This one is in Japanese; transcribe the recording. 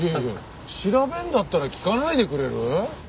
調べるんだったら聞かないでくれる？